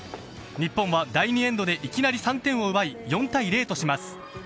日本は第２エンドでいきなり３点を奪い４対０とします。